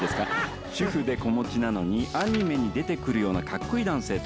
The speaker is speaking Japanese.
「主婦で子持ちなのにアニメに出て来るようなカッコいい男性と